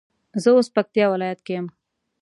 زه اوس پکتيا ولايت کي يم